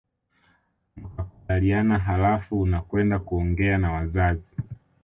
Mkakubaliana halafu unakwenda kuongea na wazazi